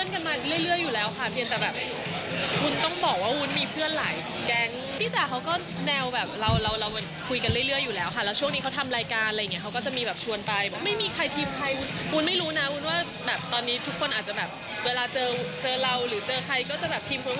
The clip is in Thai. คือวุ้นก็เป็นเพื่อนกันมาเรื่อยอยู่แล้วค่ะเพียงแต่แบบ